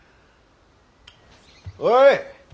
おい！